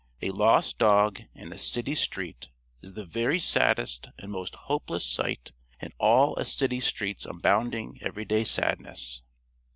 A lost dog in a city street is the very saddest and most hopeless sight in all a city street's abounding everyday sadness.